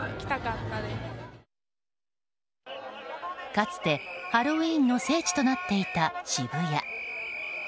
かつて、ハロウィーンの聖地となっていた渋谷。